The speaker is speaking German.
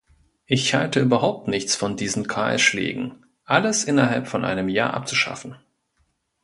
Ich halte überhaupt nichts von diesen Kahlschlägen, alles innerhalb von einem Jahr abzuschaffen.